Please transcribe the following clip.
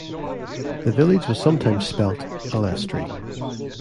The village was sometimes spelt 'Alestry'.